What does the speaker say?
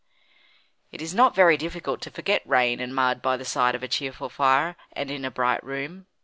It is not very difficult to forget rain and mud by the side of a cheerful fire, and in a bright room.